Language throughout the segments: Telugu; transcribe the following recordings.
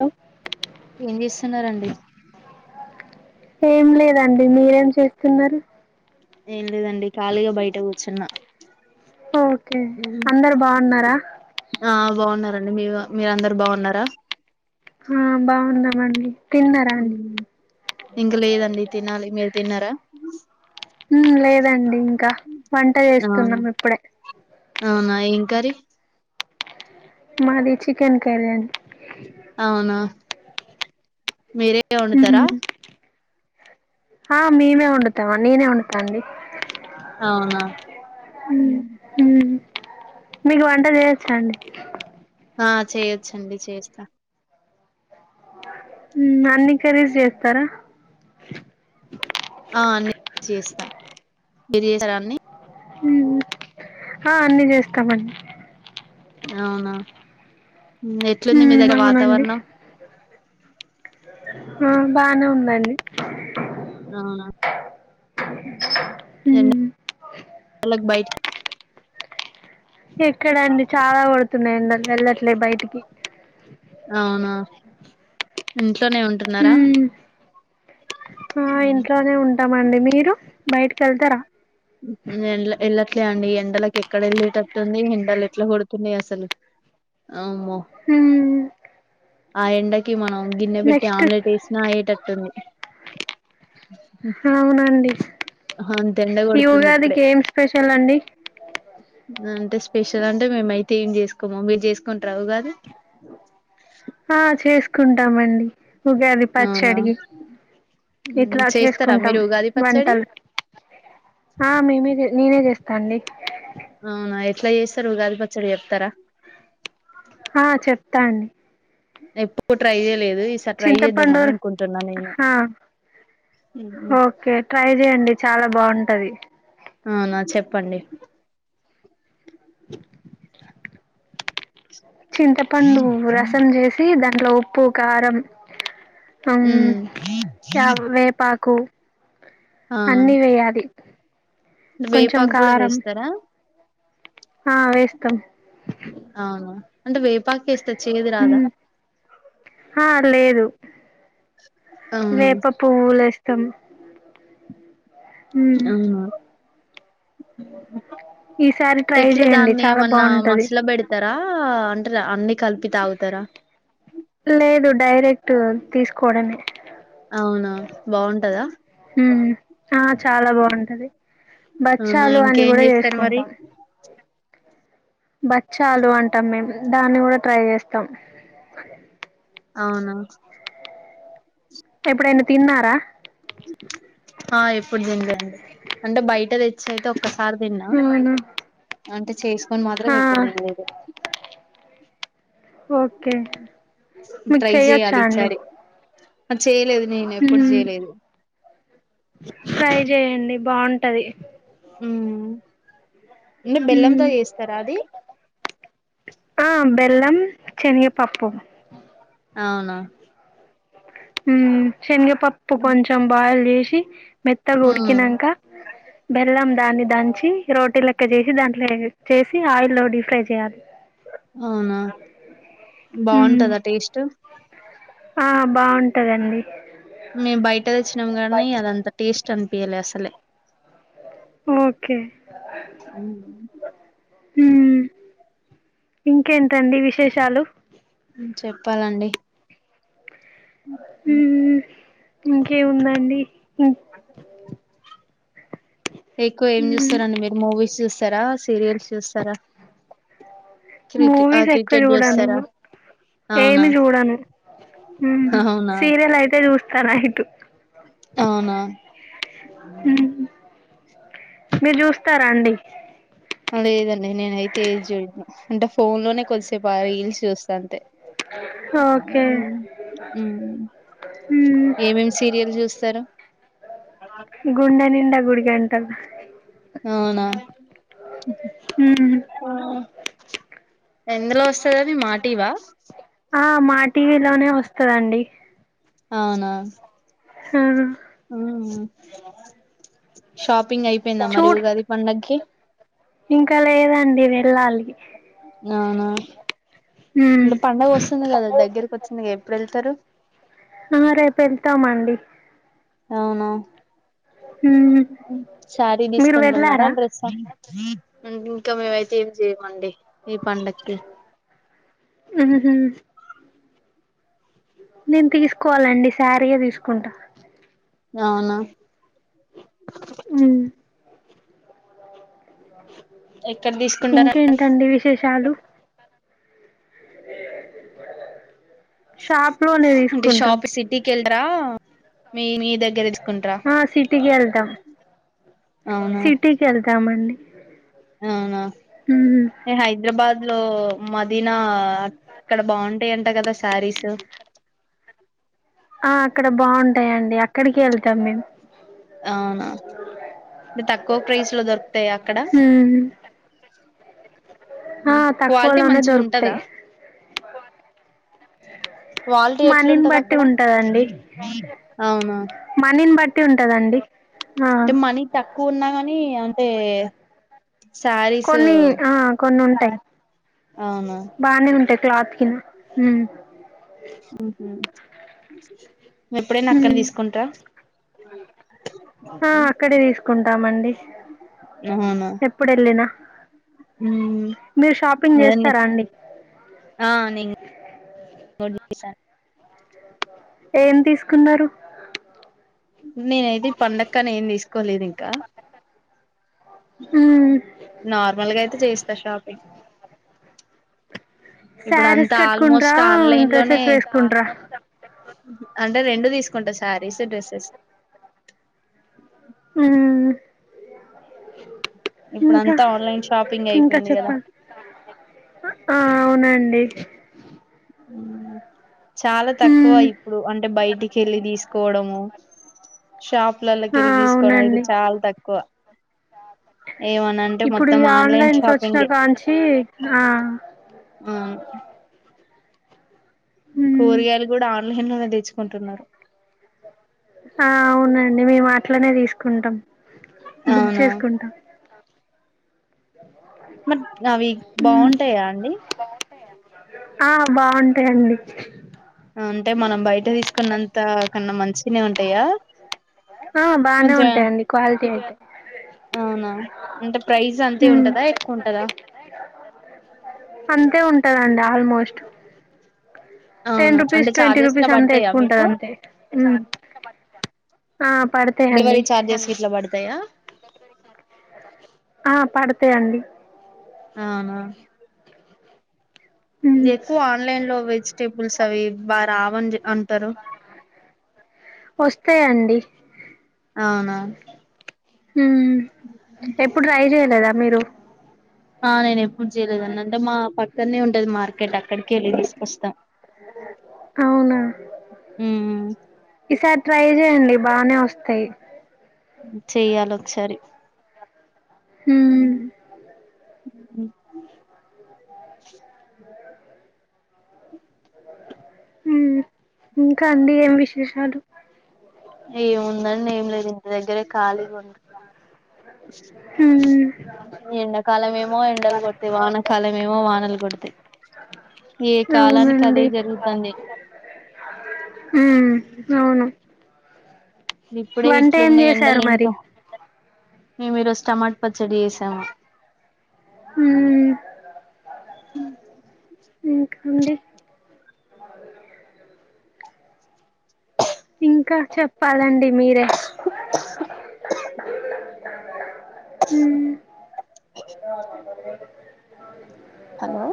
హలో ఏం చేస్తున్నడి ఏం లేదండి మీరేం చేస్తున్నారు ఏం లేదండి ఖాళీగా బయట కూర్చున్నా ఓకే అందరు బాగున్నారా ఆ బాగున్నారండి మీ మీర అందరు బాగున్నారా ఆ బాగుందామండి తిన్నరాండి ఇంకా లేదండి తినాలి మీరు తిన్నారా లేదండి ఇంకా వంట చేస్తున్నాం ఇప్పుడే అవునా ఏంకర మాది చికెన్ కళ్యాని అవునా మీరే వండుతారా ఉమ్ ఆ మేమే వండుతాము నేనే వండుతాండి అవునా హమ్ మీకు వంట చేయొచ్చ అండి ఆ చేయొచ్చండి చేస్తా అన్ని కఖరీజ్ చేస్తారా ఆ నేను చేస్తా మీరిసన్ని ఆ అన్నిీ చేస్తామన్నడి అవునా ఎట్లుంది మీ ఉమ్ దగ్గర అవునండి వాతావరణం ఆ బానే ఉందండి అవునా ఉమ్ అలగ బయిట్ ఎక్కడండి చాలా పడుతు న్నా వెళ్ళట్లేదు బయటికి అవునా నే ఉంటున్నారా ఉమ్ ఇస్తామండి మీరు బయటికి వెళ్తారా ఎండ ఎళ్ళట్లే అండి ఎండలకు ఎక్కడ వెళ్ళేటట్టుంది ఎండలు ఎట్లా కొడుతున్నాయి అసలు అవుమో హ్మ్ ఆ ఎండడాకి మన గిన్నె పెట్టి నెక్స్ట్ ఆమ్లెట్ వేసినా అయ్యేటట్టుంది అవునండి అంత ఎండ కొడుతుంది ఇవగా ఇప్పుడే అదిక ఏం స్పెషల్ అండి అంటే స్పెషల్ అంటే మేముయితే ఏం చేసుకోమ మీరు చేసుకుంట రావు కాదు కుంటామండి ఉగాది అవునా పచ్చడి ఇట్లా చేస్తారా చేసుకుంటాం మీరు ఉగాది పచ్చడి వంటలు ఆ మేమది నేనే చేస్తానండి అవునా ఎట్లా చేస్తారు కాదు పచ్చడి చెప్తారా ఆ చెప్ప తాండి ఎప్పుడు ట్రై చేయలేదు ఈసారి ట్రై చేద్దామని చింతపండూరు అనుకుంటున్నా నేను ఓకే ట్రై చెయండి చాలా బాగుంటది అవునా చెప్పండి చింతపండు రసం చేసి దాంట్లో ఉప్పు కారం మ్ అవునా వే పా కు అవునా అన్నీ వేయాలి కొంచెం వేపాకు కూడా కారం వేస్తారా ఆ వేస్తాం అవును అంటే వేపాక వేస్తే చేది రాదా ఉమ్ ఆ లేదు అవును వేప పూలస్త సమ్ హమ్ ఈసారి ట్రై టట్లు చేయండి దాన్ని చాలా ఏమన్నా బాగుంటది మసలో పెడతారా అంటార అన్ని కలిపి తాగుతారా లేదు డైరెక్ట్ తీసుకోవడమ అవునా బాగుంటదా హ ఆ చాలా బాగుంటది అవునా బచ్చాలు అన్ని ఇంకేం కూడా చేస్తారు మరి చేసుకుంటాం బచ్చాలు అంటాం మీమ్ దాన్ని కూడా ట్రై చేస్తాం అవునా ఎపుడైనా తిన్నారా చ్ చ్ ఆ ఎప్పుడు తిన్లేండి అంటే బయట తెచ్చ అయితే ఒక్ ఒక్కసారి తిన్న అవునా అంటే చేస్ కొన్ ఆ మాత్రం ఎప్పుడు తినలేదు ఒకే మీకు చేయొచ్చా అండి ఆ చేయలేదు నేను ఎప్పుడు మ్మ్ చేయలేదు ట్రై చేయండి బాగుంట్ టది మ్మ్ అండి బెల్లంతో ఉమ్ చేస్తారా అది ఆ బెల్లం శేనగపప్పు ఔనా మ్మ్ శేనగపప్పు కొంచెం బాయిల్ జేసి మెత్తగా ఉమ్ ఉడికినంకా బెల్లం దాన్ని దంచి రోటీ లెక్క జేసి దాంట్లో చేసి ఆయిల్లో డీఫ్రై చేయాలి అవునా మ్మ్ బావుంటదా టేస్ట్ ఆ బావున్ టదండి మీ బైట్ ట తెచ్చినామ్ గానీ అదంత టేస్ట్ టన్పియలే అస్సలే ఓకే మ్మ్ మ్మ్ ఇంకేంటండి విశేషాలు మ్మ్ చెప్పాలండి మ్మ్ హ్మ మ్మ్ ఇంకేముందండి ఇం- అన్నం తిన్నారా ఎక్కువ ఏం మ్మ్ జూస్తారండి మీరు మూవీస్ చూస్త్ తారా సీరియల్స్ చూస్తారా క్రికె ఆ మూవీస్ ఎక్కవ క్రికెట్ చూడను చూస్తారా అవునా ఏమి చూడను మ్మ్ అవునా సీరియల్ అయితే చూస్త్ కనహీటు అవునా మ్మ్ మీరు చూస్తారా అండి లేదండి నేనయితే ఏదిజూడును అంటే ఫోన్ లోనే కొద్దిసేపు రీల్స్ చూస్త అంతే ఓకే హ్మ్. ఏమేమి సీరియల్ చూస్తారు ఎంత అవునా హ్మ్. ఎందులో వస్తది అది మాటివా ఆ మా టీవీ లోనే వస్తందండి అవునా హ షాప్ షాపింగ్ అయిపోయిందా మరియు చూడు ఉగాది పండగకి ఇంకా లేదండి వెళ్ళాలి ఆవునా హ్మ్. అంటే పండుగ వస్తుంది కదా దగ్గరకు వచ్చింది ఎప్పుడు వెళ్తారు ఆ రేపు వెళ్తామండి అవునా శారీ మీరు తీసుకుంటున్నారా వెళ్ళారా డ్రెస్ అంటే ఇంకా మేమయితే ఏం చేయ్యమండి ఈ పండకి నేను తీసుకోవాలండి శారీగా తీసుకుంటా అవునా ఉ అ ఎక్కడ [unintelligible] తీసుకుంటారా ఇంకేంటండి విశేషాలు ఏ అంటే షాప్ సిటీకి ఎల్రా మీ మీ దగ్గర తీసుకుంటారా ఆ సిటీకి వెళ్తాము అవునా సిటీకి వెళ్దామండి అవునా ఏ హైదరాబాద్ అందులో మదీనా అక్కడ బాగుంటాయింట కదా శారీస్ ఆ అక్కడ బాగుంటాయండి అక్కడికి వెళ్తాం మేము అవునాంటే తక్కువ ప్రైస్లో దొర అ అక్కడ హ్మ్ ఆ క్వాలిటీ తక్కువలోనే మంచిగా ఉంటందా దొరుకుతాయి క్వాలిటీ మనీని ఎట్లుంటది బట్టి అక్కడ ఉంటదండి అవునా ఉంటుదండి మనీ తకు ఉన్నాగా కానీ అంటే శారీస్ కొన్ని ఆ కొన్ని ఉంటాయి అవునా బానే ఉంటాయి క్లాత్ కనా హమ్ ఎప్పుడైనా అక్కన హ్మ్ తీసుకుంటా ఆ అక్కడే తీసుకుంటామండి ఎప్పుడు వెళ్ళినా మీరు షాపింగ్ హమ్ అ చేస్తారా అండి ఆ హా వి సా ఏం తీసుకున్నారు నేనయితే పండగ న ఏం తీసుకోలేదు ఇంకా హ్మ్ నార్మల్గా అయితే చేస్తా షాపింగ్ ఇప్పుడు సారీస్ అంతా కట్కుండ్రా ఆల్మోస్ట్ ఆన్లైన్ లోనే డ్రెస్సెస్ వేస్కుంట్రా అంటే రెండు తీసుకుంటా శారీస్ డ్రెస్సెస్ హమ్ ఇప్పుడు ఇంకా అంతా ఆన్లైన్ షాపింగ్ ఇంకా అయిపోయింది కదా చెప్పాలి ఆ అవునండి చాలా తక్కువ హ్మ్ ఇప్పుడు అంటే బయటికి వెళ్ళి తీసుకోవడము షాపులలోకి ఆ వెళ్ళి తీసుకోవడం ఇది అవునండి చాలా తక్కువ ఏమనంటే ఇప్పుడు మొత్తం ఈ ఆన్లైన్ ఆన్లైన్స్ వచ్చినా షాపింగ్ కాంచి ఆ ఆ మ్మ్ కోరియలు కూడా ఆన్లైన్ లో తెచ్చుకుంటున్నారు ఆ అవునండి మేము అట్లనే తీసుకుంటాం బుక్ అవునా చేసుకుంటాం మట్ అవి మ్మ్ బాగుంటాయా అండి ఆ బాగుంటాయండి అంటే మనం బయట తీసుకున్నంత కన్నా మంచినే ఉంటాయా ఆ బానే కొంచెం ఉంటాయండి క్వాలిటీ అయితే అవునా అంటే ప్రైస్ అంతే ఉంటదా ఎక్కువ ఉంటదా అంతే ఉంటుందండి ఆల్మోస్ట్ టెన్ అవునా రూపీస్ అంటే ట్వంటీ చార్జెస్ లా రూపీస్ అంతే పడతాయా ఎక్కువ ఉంటది మీకు అంతే ఆ పడతాయండి డెలివరీ ఛార్జెస్ గిట్లా పడతాయా ఆ పడతాయండి ఆహా మ్మ్ ఎక్కువ ఆన్లైన్ లో వెజిటేబుల్స్ అవి బా రావనీ అంటారు వస్తాయ్ అండి అవునా ఎప్పుడు ట్రై చెయ్యలేదా మీరు ఆ నేను ఎప్పుడు చేయలేదున్నడి అంటే మా పక్కనే ఉ ఉంటది మార్కెట్ అక్కడికే వెళ్ళి తీసుకొస్తాం అవునా హు ఈసారి ట్రై చేయండి బానే వస్తాయి చెయ్యాలి ఒకసారి ఉమ్ ఉమ్ ఇంకా అండి ఏం విశేషాలు ఏముందండి ఏం లేదు దగ్గరే ఖాళీగా ఉంటున్నాం హ్మ్ ఎండాకాలం ఏమో ఎండలు కొడతాయి వానకాలం ఏమో వానలు కొడతాయి ఏ కాలానికి అదే అవునండి జరుగుతాంది హ్మ్ అవును ఇప్పుడే వంట ఏం ఇట్లున్నాయి చేశారు ఎండలు మరి ఇంకా మేము ఈరోజు టమాట పచ్చడి చేసాము ఉమ్ ఇంకాడి ఇంకా చెప్పాలండి మీరే హు హలో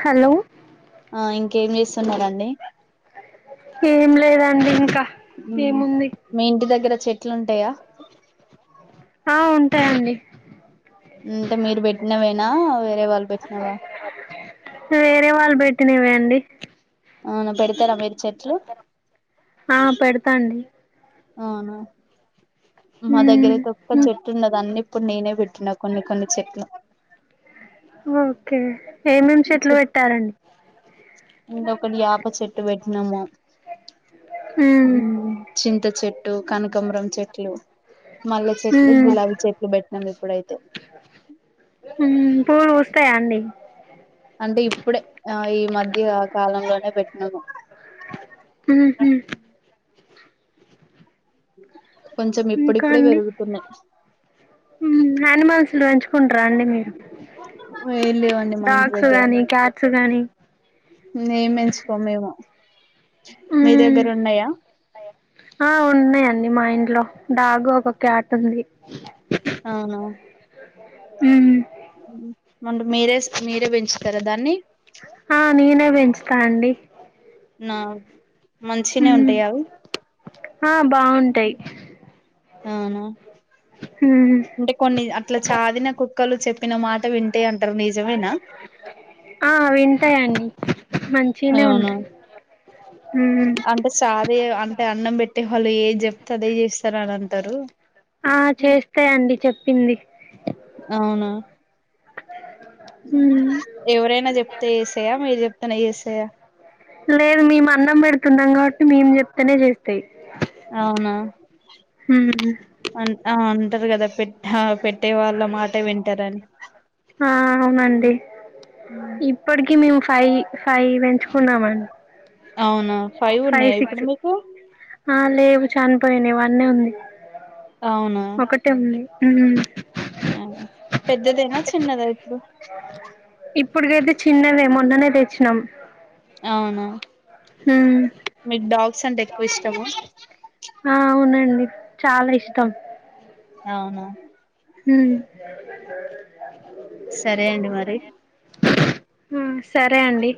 హలో ఆ ఇంకేం చేస్తున్నారండి ఏం లేదండి ఇంకా ఏముంది చెట్లుంటాయా ఆ ఉంటాయండి అంటే మీరు పెట్టినవే నా వే రేవాళ్ళు పవట్టినవా వేరే వాళ్ళు పెట్టినవే అండి అవున పెడుతరా మీర్ ఆ పెడతాండి అవునా మా దగ్గర హ్మ్ అయితే ఒక్క హ్మ్. చెట్టు ఉండద అన్ని ఇప్పుడు నేనే పెట్టినా కొన్ని కొన్ని చెట్లు ఓకే ఏమేం చెట్లు పెట్టారంండి ఇంకొ ఒకటి ప చెట్టు పెట్టినాము హ్మ్ చింత చెట్ చెట్టు కనకాంబరం చెట్లు మల్లె చెట్లు హ్మ్ గులాబీ చెట్లు పెట్టినాం ఇప్పుడైతే పూలు పూస్తాయా అండి అంటే ఇప్పుడే ఆ ఈ మధ్య కాలంలోనే పెట్టినాము ఉహు కొంచెం ఇప్పుడిప్పుడే ఇంకాండి పెరుగుతున్నాయి నిమల్స్లు పెంచుకుంటార అండి మీరు ఏం లేవండి మా డాగ్స్ గాని క్యాట్స్ గానీ నే ఎంచుకోమేము ఆ ఉన్నాయండి మా ఇంట్లో డాగు ఒకొక్కే ఆట్ ఉంది అవును హమ్ మొన్న మీరే మీరే పెంచుతారా దాన్ని ఆ ననే బంచంచిత తాండడి నా మంచినే ఉంటాయావు ఆ బాగుంటాయి అవునా ఉమ్ అంటే కొన్ని అట్లా చాదిన కుక్కలు చెప్ ప్పిన మాట వింటాే అంట అ నిజమేనా తయన్ని అవును ఉమ్ అంటే సాధే అంటే అన్నం పెట్టి అంటే వాళ్ళు ఏ చెప్తే అదే చేస్తారు అని అంటారు ఆ చేస్తాయండి చెప్పింది అవునా ఉమ్ ఎవరైనా చెప్తేసయా మీరు చెప్ నే చేసయ లేదు మేము అన్నం పెడుతున్నాం కాబట్టి మేం చెప్తతేనే చేస్తాయి అవునా ఉమ్ అం ఆ అం అంటారు కదా పె ఆ పెట్టే వాళ్ళ మాటే వింటారని ఆ అవునండి ఇప్పటికి మేము ఫై ఫై పెంచుకున్నామండి అవునా ఫైవ్ ఉన్నాయా ఇప్పుడు మీకు ఆ లేవు చనిపోయానయ్ వన్నే ఉంది అవునా ఒకటే ఉంది ఉమ్ అ పెద్దదేనా చిన్నదా ఇప్పుడు ఇప్పుటికైతే చిన్నదే మొన్ననే తెచ్చినాం అవునా ఉమ్ మీకు డాగ్స్ అంటే ఎక్కువ ఇష్టము ఆ అవునండి చాలా ఇష్టం అవును ఊహ్మ్ సరే అండి మరి ఉమ్ సరే అండి